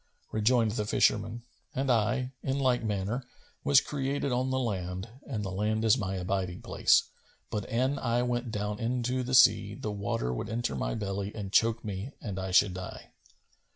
Rejoined the fisherman, "And I, in like manner, was created on the land and the land is my abiding place; but, an I went down into the sea, the water would enter my belly and choke me and I should die."